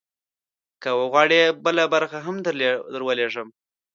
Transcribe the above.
که وغواړې، بله برخه هم درولیږم.